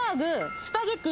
スパゲティ。